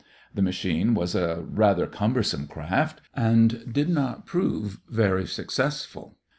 The machine was a rather cumbersome craft and did not prove very successful.